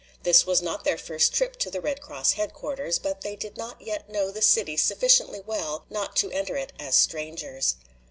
This was not their first trip to the Red Cross headquarters, but they did not yet know the city sufficiently well not to enter it as strangers.